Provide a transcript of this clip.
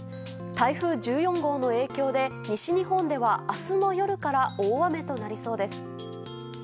台風１４号の影響で西日本では明日の夜から大雨となりそうです。